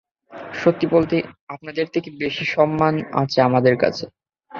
সত্যি বলতে, আপনাদের থেকে বেশি সম্মান আছে আমাদের কাছে।